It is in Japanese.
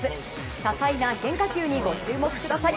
多彩な変化球にご注目ください。